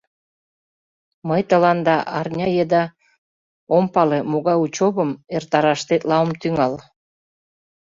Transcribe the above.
Мый тыланда арня еда... ом пале... могай учёбым... эртараш тетла ом тӱҥал.